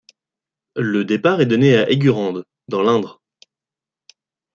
Le départ est donné à Aigurande, dans l'Indre.